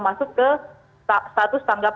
masuk ke status tanggap